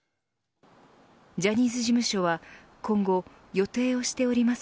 ジャニーズ事務所は今後予定をしております